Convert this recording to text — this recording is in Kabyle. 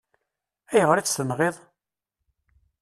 Ayɣer i t-tenɣiḍ?